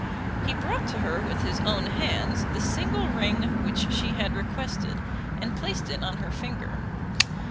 He brought to her with his own hands the single ring which she had requested, and placed it on her finger.